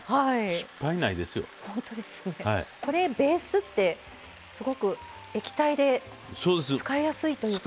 これベースってすごく液体で使いやすいという。